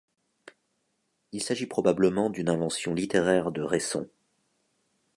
Il s'agit probablement d'une invention littéraire de Raisson.